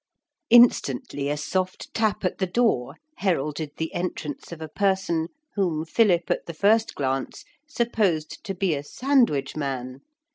Instantly a soft tap at the door heralded the entrance of a person whom Philip at the first glance supposed to be a sandwich man.